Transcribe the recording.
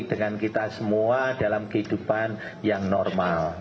dengan kita semua dalam kehidupan yang normal